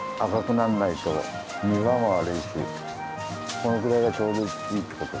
このぐらいがちょうどいいって事で。